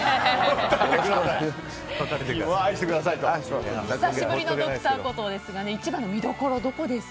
久しぶりの「Ｄｒ．コトー」ですが一番の見どころはどこですか？